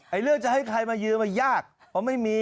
ไอ้เลือกจะให้ใครมายืมยากเพราะไม่มี